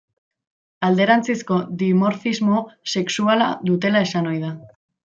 Alderantzizko dimorfismo sexuala dutela esan ohi da.